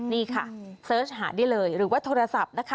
นี่ค่ะเสิร์ชหาได้เลยหรือว่าโทรศัพท์นะคะ